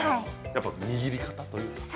やはり握り方というか。